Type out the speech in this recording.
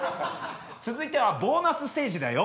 続いてはボーナスステージだよ。